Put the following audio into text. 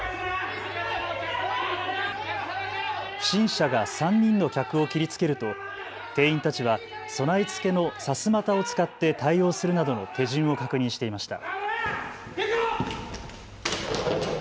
不審者が３人の客を切りつけると店員たちは備え付けのさすまたを使って対応するなどの手順を確認していました。